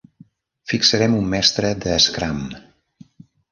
Fitxarem un mestre d'"scrum".